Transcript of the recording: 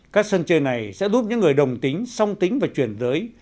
các sân chơi này sẽ giúp những người đồng tính song tính và chuyển giới